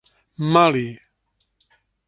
Mali.